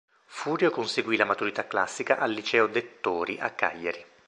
Furio conseguì la maturità classica al liceo "Dettori" a Cagliari.